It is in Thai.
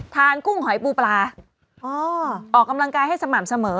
กุ้งหอยปูปลาออกกำลังกายให้สม่ำเสมอ